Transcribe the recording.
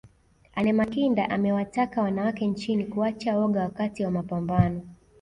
Anne Makinda amewataka wanawake nchini kuacha woga wakati wa mapambano